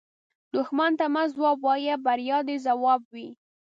دښمن ته مه ځواب وایه، بریا دې ځواب وي